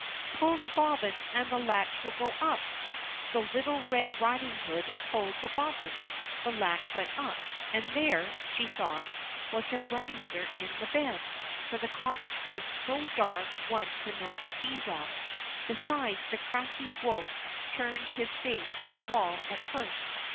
"Pull the bobbin, and the latch will go up." So little Red Riding Hood pulled the bobbin, the latch went up, and there, she thought, was her grandmother in the bed ; for the cottage was so dark one could not see well. Besides, the crafty wolf turned his face to the wall at first.